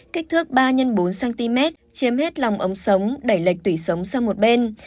kích thước ba x bốn cm chiếm hết lòng ống sống đẩy lệch tủy sống sang một bên